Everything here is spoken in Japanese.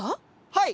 はい。